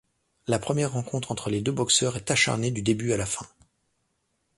La première rencontre entre les deux boxeurs est acharnée du début à la fin.